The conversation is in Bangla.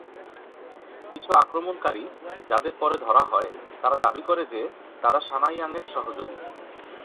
কিছু আক্রমণকারী, যাদের পরে ধরা হয়, তারা দাবি করে যে তারা সানাইয়াংয়ের সহযোগী।